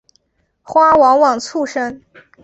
花往往簇生。